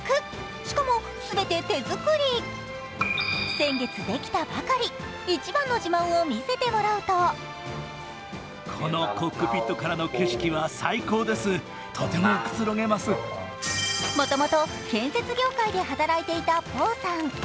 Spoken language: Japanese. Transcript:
しかも全て手作り、先月できたばかり、一番の自慢を見せてもらうともともと建設業界で働いていたポーさん。